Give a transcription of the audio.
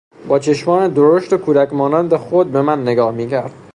با چشمان درشت و کودک مانند خود به من نگاه میکرد.